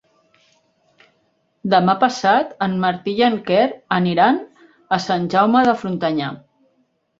Demà passat en Martí i en Quer aniran a Sant Jaume de Frontanyà.